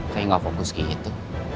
kayak gak fokus kayak gitu